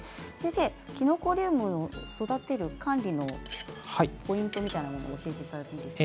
きのこリウム、育てる管理のポイントみたいなものを教えていただいていいですか。